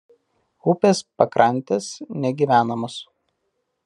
Upės pakrantės negyvenamos.